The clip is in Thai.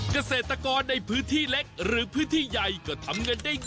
เกษตรกรในพื้นที่เล็กหรือพื้นที่ใหญ่ก็ทำเงินได้ง่าย